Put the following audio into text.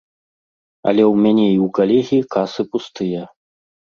Але ў мяне і ў калегі касы пустыя.